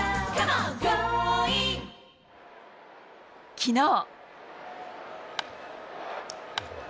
きのう。